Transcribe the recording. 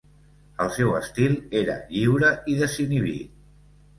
El seu estil era lliure i desinhibit.